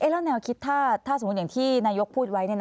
แล้วแนวคิดถ้าสมมุติอย่างที่นายกพูดไว้